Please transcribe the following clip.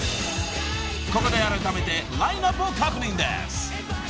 ［ここであらためてラインアップを確認です］